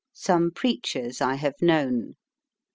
SOME PREACHERS I HAVE KNOWN.